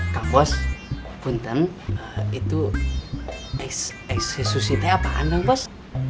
kang bos punten itu eksesusi teh apaan kang bos